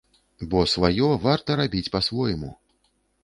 Бо сваё варта рабіць па-свойму.